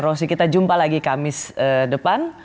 rosy kita jumpa lagi kamis depan